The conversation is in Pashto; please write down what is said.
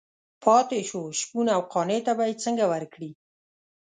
پاتې شو شپون او قانع ته به یې څنګه ورکړي.